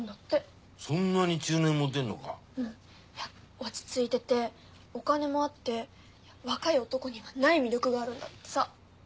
落ち着いててお金もあって若い男にはない魅力があるんだってさ。